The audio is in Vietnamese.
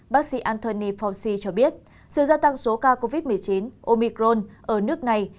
bác sĩ anthony fauci cho biết sự gia tăng số ca covid một mươi chín omicron ở nước này